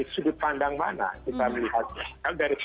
sebenarnya sebesar itu tulis riki